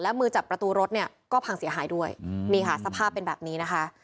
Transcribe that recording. มือจับประตูรถเนี่ยก็พังเสียหายด้วยนี่ค่ะสภาพเป็นแบบนี้นะคะ